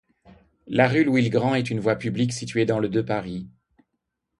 La rue Louis-le-Grand est une voie publique située dans le de Paris.